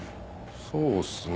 そうっすね。